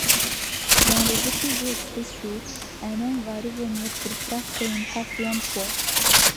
Dans les épisodes spéciaux, un homme va revenir pour frapper une quatrième fois.